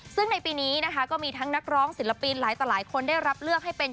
ซึ่งในปีนี้นะคะก็มีทั้งนักร้องศิลปินหลายต่อหลายคนได้รับเลือกให้เป็น